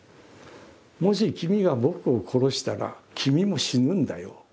もし君が僕を殺したら君も死ぬんだよ。